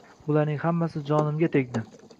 Bularning hammasi jonimga tegdi.